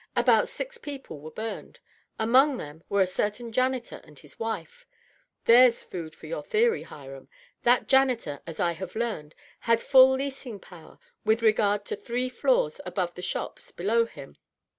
About six people were burned. Among them were a certain janitor and his wife. Thierffs food for your theory, Hiram ! That janitor, as I have learri^, had full leasing power with regard to three floors above the shops below him.